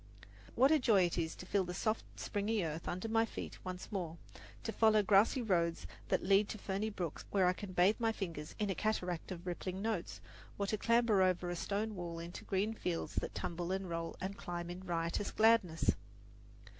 What a joy it is to feel the soft, springy earth under my feet once more, to follow grassy roads that lead to ferny brooks where I can bathe my fingers in a cataract of rippling notes, or to clamber over a stone wall into green fields that tumble and roll and climb in riotous gladness!